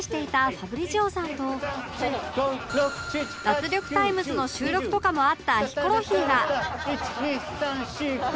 『脱力タイムズ』の収録とかもあったヒコロヒーが